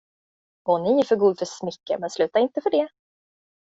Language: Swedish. Å, ni är för god för smicker, men sluta inte för det.